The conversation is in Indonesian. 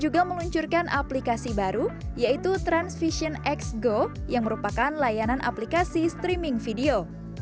juga meluncurkan aplikasi baru yaitu transvision x go yang merupakan layanan aplikasi streaming video